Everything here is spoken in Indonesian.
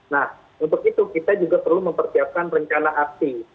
nah untuk itu kita juga perlu mempersiapkan rencana aksi